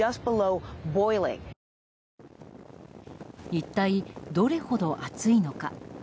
一体どれほど暑いのか。